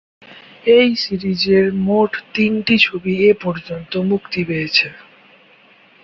এই সিরিজের মোট তিনটি ছবি এ পর্যন্ত মুক্তি পেয়েছে।